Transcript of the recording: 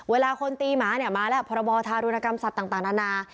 เวลาคนตีหมาเนี่ยมาแล้วพรบธารุณกรรมสัตว์ต่างนานา